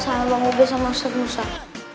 salam bangga besok masak masak